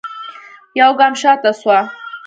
يوګام شاته سوه.